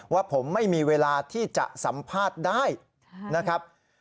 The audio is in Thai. ว่าผมไม่มีเวลาที่จะสัมภาษณ์ได้นะครับ